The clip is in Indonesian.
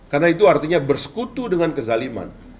karena itu artinya bersekutu dengan kezaliman